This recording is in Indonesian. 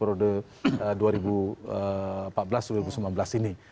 periode dua ribu empat belas dua ribu sembilan belas ini